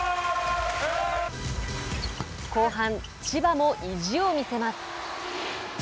後半、千葉も意地を見せます。